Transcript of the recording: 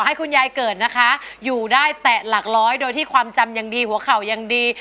ให้คุณยายเกิดนะคะอยู่ได้แต่หลักร้อยโดยที่ความจำยังดีหัวเข่ายังดี